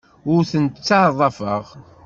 Ur tent-ttaḍḍafeɣ.